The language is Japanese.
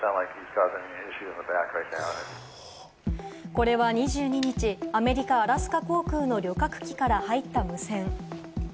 これは２２日、アメリカ・アラスカ航空の旅客機から入った無線。